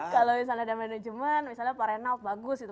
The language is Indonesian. kalau misalnya ada manajemen misalnya pak renaud bagus gitu